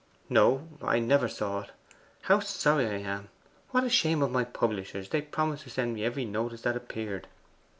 'No, I never saw it. How sorry I am! What a shame of my publishers! They promised to send me every notice that appeared.